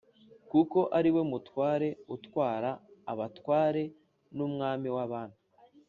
kuko ari we Mutware utwara abatware n’Umwami w’abami,